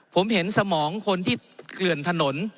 ผมเห็นสมองคนที่เกลื่อนถนน